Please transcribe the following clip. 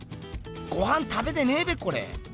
ごはん食べてねぇべこれ。